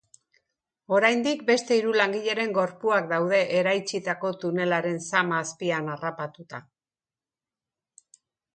Oraindik beste hiru langileren gorpuak daude eraitsitako tunelaren zama azpian harrapatuta.